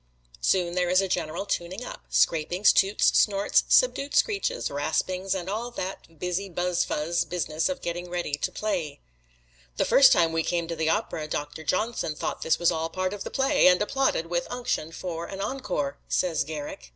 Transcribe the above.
Soon there is a general tuning up scrapings, toots, snorts, subdued screeches, raspings, and all that busy buzz fuzz business of getting ready to play. "The first time we came to the opera Doctor Johnson thought this was all a part of the play, and applauded with unction for an encore," says Garrick.